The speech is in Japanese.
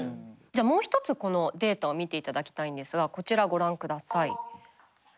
じゃあもう一つこのデータを見ていただきたいんですがこちらご覧ください。